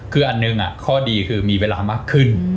คืออันหนึ่งข้อดีคือมีเวลามากขึ้น